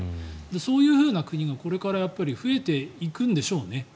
そういう国がこれから増えていくんでしょうね。